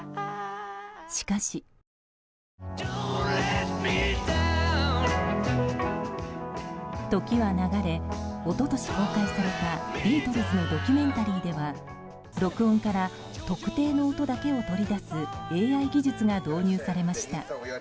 しかし。時は流れ一昨年、公開されたビートルズのドキュメンタリーでは録音から特定の音だけを取り出すＡＩ技術が導入されました。